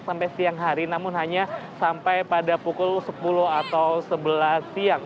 sampai siang hari namun hanya sampai pada pukul sepuluh atau sebelas siang